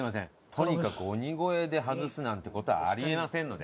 とにかく鬼越で外すなんて事はあり得ませんので。